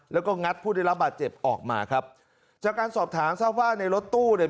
แล้วก็งัดผู้ได้รับบาดเจ็บออกมาครับจากการสอบถามทราบว่าในรถตู้เนี่ย